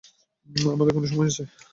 আমাদের কোনো সময় আছে।